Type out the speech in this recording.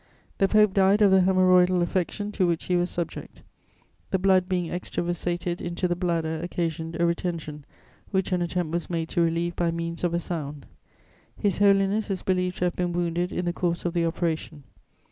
"The Pope died of the hemorrhoidal affection to which he was subject. The blood being extravasated into the bladder occasioned a retention, which an attempt was made to relieve by means of a sound. His Holiness is believed to have been wounded in the course of the operation.